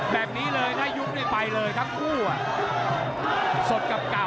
แบบนี้เลยยุ่นให้ไปเลยทั้งคู่อ่ะ